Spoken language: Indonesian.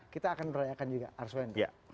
kita akan merayakan juga arswendo